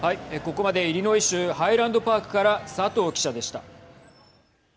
ここまでイリノイ州ハイランドパークから佐藤記者でした。